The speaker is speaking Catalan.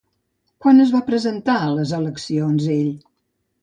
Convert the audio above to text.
Quan es va presentar a les eleccions, ell?